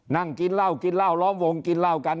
นั่งกินเหล้ากินเหล้าล้อมวงกินเหล้ากัน